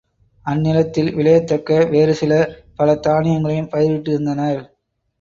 அந் நிலத்தில் விளையத்தக்க வேறு சில பல தானியங்களையும் பயிரிட்டிருந்தனர்.